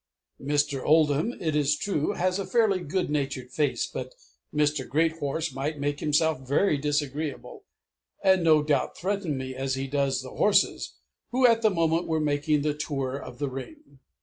Mr. Oldham, it is true, has a fairly good natured face, but Mr. Greathorse might make himself very disagreeable and no doubt threaten me, as he does the horses, who at the moment were making the tour of the Ring."